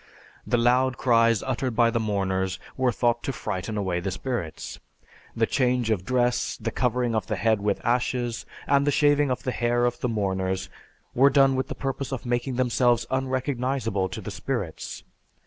The loud cries uttered by the mourners were thought to frighten away the spirits. The change of dress, the covering of the head with ashes, and the shaving of the hair of the mourners were done with the purpose of making themselves unrecognizable to the spirits.